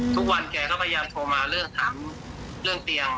ทุกวันแกก็พยายามโทรมาเรื่องถามเรื่องเตียง